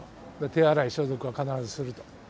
手洗い、消毒は必ずすると。